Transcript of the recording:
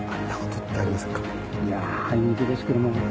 いやあいにくですけども。